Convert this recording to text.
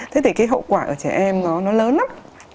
thế thì cái hậu quả ở trẻ em nó lớn lắm